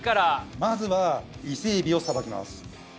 まずは伊勢海老をさばきます